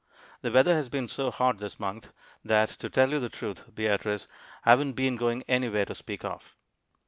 The weather has been so hot this month, that, to tell you the truth, Beatrice, I haven't been going anywhere to speak of.